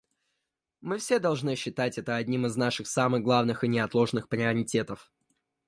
Мы все должны считать это одним из наших самых главных и неотложных приоритетов.